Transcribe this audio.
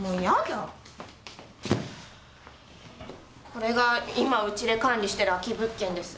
これが今うちで管理してる空き物件です。